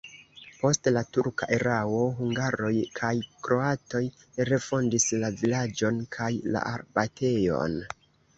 Post la turka erao hungaroj kaj kroatoj refondis la vilaĝon kaj la abatejon.